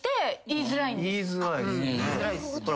言いづらいですね。